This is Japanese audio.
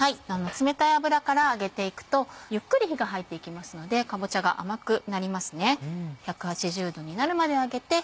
冷たい油から揚げていくとゆっくり火が入っていきますのでかぼちゃが甘くなりますね。